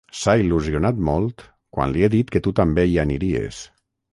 S'ha il·lusionat molt quan li he dit que tu també hi aniries.